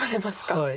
はい。